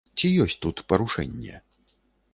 Ці ёсць тут парушэнне?